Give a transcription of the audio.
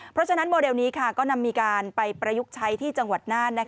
เพราะฉะนั้นโมเดลนี้ก็นำมีการไปประยุกต์ใช้ที่จังหวัดน่าน